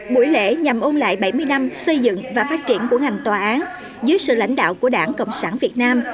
buổi lễ nhằm ôn lại bảy mươi năm xây dựng và phát triển của ngành tòa án dưới sự lãnh đạo của đảng cộng sản việt nam